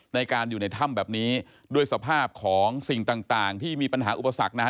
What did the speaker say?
ในการอยู่ในถ้ำแบบนี้ด้วยสภาพของสิ่งต่างที่มีปัญหาอุปสรรคนะฮะ